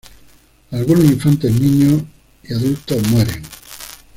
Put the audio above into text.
Algunos infantes, niños y adultos mueren.